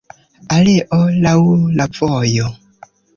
Aleo laŭ la vojo.